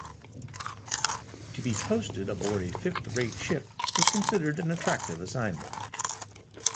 To be posted aboard a fifth-rate ship was considered an attractive assignment.